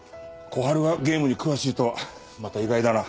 小春がゲームに詳しいとはまた意外だな。